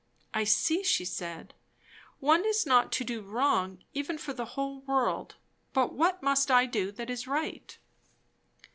I see, she said, one is not to do wrong even for the whole world; but what must I do that is _right?